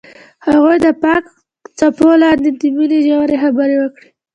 هغوی د پاک څپو لاندې د مینې ژورې خبرې وکړې.